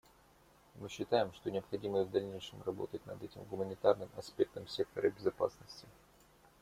Мы считаем, что необходимо и в дальнейшем работать над этим гуманитарным аспектом сектора безопасности.